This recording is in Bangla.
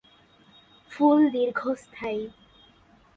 ফুল দীর্ঘস্থায়ী।